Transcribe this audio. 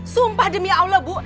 sumpah demi allah bu